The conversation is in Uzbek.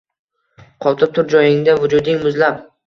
Qotib tur joyingda, vujuding muzlab